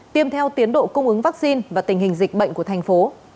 tiêm theo tiến độ cung ứng vaccine và tình hình dịch bệnh của thành phố